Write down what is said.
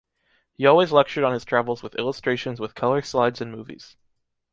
He always lectured on his travels with illustrations with color slides and movies.